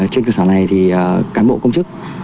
trên cơ sở này thì cán bộ công chức